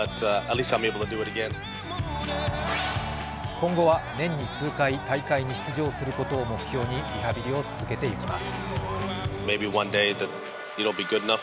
今後は年に数回大会に出場することを目標にリハビリを続けていきます。